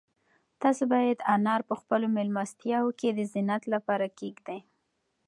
تاسو باید انار په خپلو مېلمستیاوو کې د زینت لپاره کېږدئ.